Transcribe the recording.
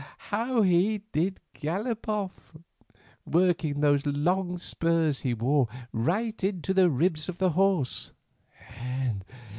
how he did gallop off, working those long spurs he wore right into the ribs of the horse.